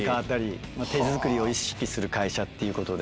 まぁ手作りを意識する会社っていうことで。